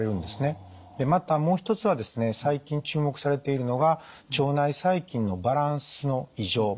でまたもう一つはですね最近注目されているのが腸内細菌のバランスの異常。